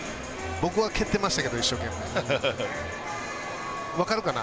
僕は蹴ってましたけど、一生懸命。